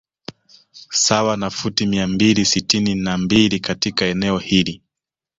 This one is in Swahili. Sawa na futi mia mbili sitini na mbili katika eneo hili